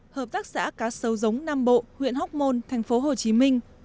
hợp tác xã cá sấu giống nam bộ huyện hóc môn thành phố hồ chí minh